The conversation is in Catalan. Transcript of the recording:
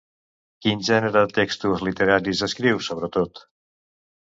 Quin gènere de textos literaris escriu, sobretot?